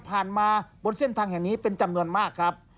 มาบนเส้นทางแห่งนี้เป็นจำนวนมากครับ